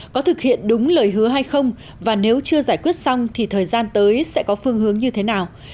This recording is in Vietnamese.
có thực hiện đúng lời hứa hay không và nếu chưa giải quyết xong thì thời gian tới sẽ có phương hướng như thế nào